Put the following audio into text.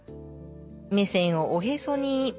目線をおへそに。